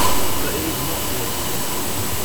But it is not the only one.